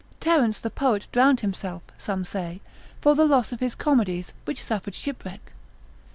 Terence the poet drowned himself (some say) for the loss of his comedies, which suffered shipwreck.